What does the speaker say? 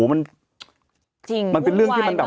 มันเป็นเรื่องที่มันแบบ